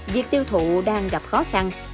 việc tiêu thụ đang gặp khó khăn